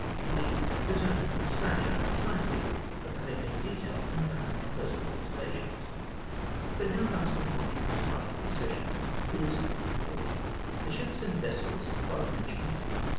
Indeed, the terms of the despatch are decisive of having been detailed from his own personal observations ! But now comes the monstrous part of the assertion ; viz. " The ships and vessels above mentioned soo?